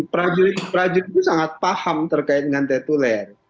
prajurit prajurit itu sangat paham terkait dengan tetuler